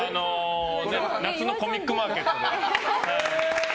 夏のコミックマーケットで。